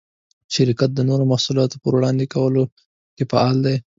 شرکت د نوو محصولاتو په وړاندې کولو کې فعال دی.